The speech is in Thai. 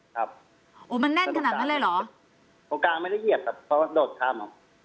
ครับโอ้มันแน่นขนาดนั้นเลยเหรอตรงกลางไม่ได้เหยียบครับเพราะว่าโดดทำ